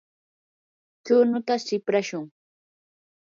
chunuta siprashun.